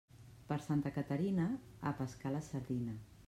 Per Santa Caterina, a pescar la sardina.